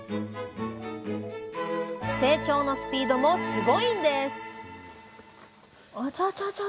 成長のスピードもすごいんです